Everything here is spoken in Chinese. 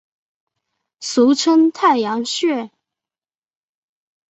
俗称太阳穴。